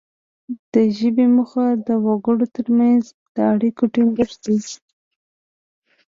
د ژبې موخه د وګړو ترمنځ د اړیکو ټینګښت دی